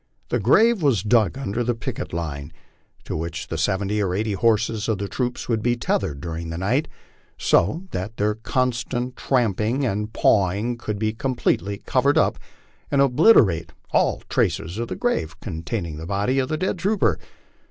The grave was dug under the picket line to which the seventy or eighty horses of the troops would be tethered during the night, so that their constant tramping and pawing should completely cover up and obliterate all traces of the grave containing the body of the dead trooper.